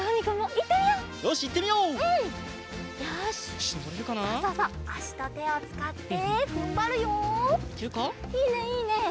いいねいいね。